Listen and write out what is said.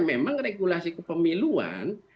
memang regulasi kepemiluan